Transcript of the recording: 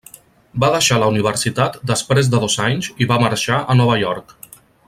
Va deixar la universitat després de dos anys i va marxar a Nova York.